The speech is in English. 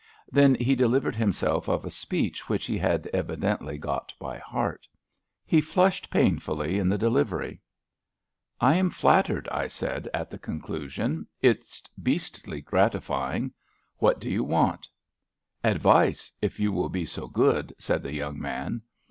Then he delivered himself of a speech which he had evidently got by heart. He flushed pain fully in the delivery. 276 ABAFT THE FUNNEL I am flattered/' I said at the conclusion. "It's beastly gratifying. WMat do you wantf '^Advice, if you will be so good/' said the young man.